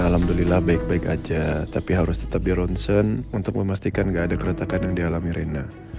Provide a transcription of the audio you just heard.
mas al bilang baik baik aja tapi harus tetap di ronsen untuk memastikan gak ada keretakan yang dialami rena